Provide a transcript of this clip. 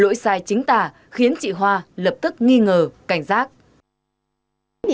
lỗi sai chính tả khiến chị hoa lập tức nghi ngờ cảnh giác